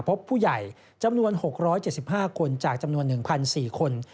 พบผู้ใหญ่จำนวน๖๗๕คนจากจำนวน๑๔คน